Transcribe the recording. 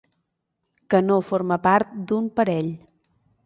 Que no forma part d'un parell.